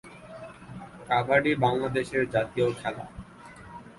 কাবাডি বাংলাদেশের জাতীয় খেলা।